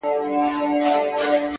• د ښایستونو خدایه سر ټيټول تاته نه وه،